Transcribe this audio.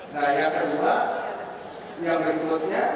nah yang kedua yang berikutnya